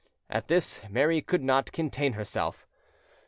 At this Mary could not contain herself.